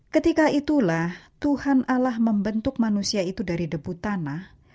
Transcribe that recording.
ketika itulah tuhan allah membentuk manusia itu dari debu tanah